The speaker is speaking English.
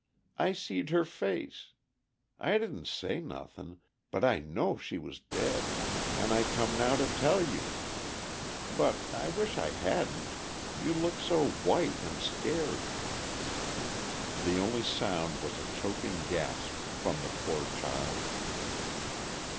I seed her face. I didn't say nothin', but I know she was dead, and I come now to tell you. But I wish I hadn't—you look so white and scared." The only sound was a choking gasp from the poor child.